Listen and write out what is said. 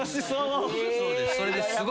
そうです。